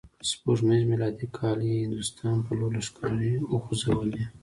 په سپوږمیز میلادي کال یې هندوستان په لور لښکرې وخوزولې.